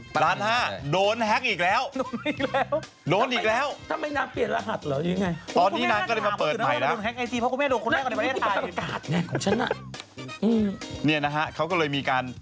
ประมาณล้านห้านะอีกรึเป็น